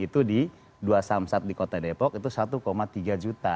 jadi dua samsat di kota depok itu satu tiga juta